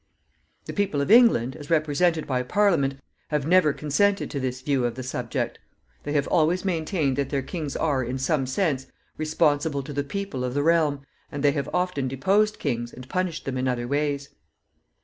The people of England, as represented by Parliament, have never consented to this view of the subject. They have always maintained that their kings are, in some sense, responsible to the people of the realm, and they have often deposed kings, and punished them in other ways.